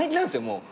もう。